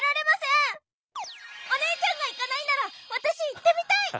お姉ちゃんが行かないなら私行ってみたい！